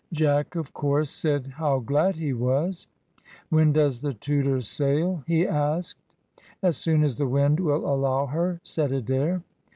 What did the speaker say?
Jack of course said how glad he was. "When does the Tudor sail?" he asked. "As soon as the wind will allow her," said Adair.